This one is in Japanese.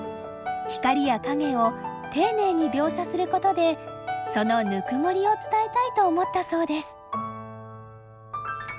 光や影を丁寧に描写することでそのぬくもりを伝えたいと思ったそうです。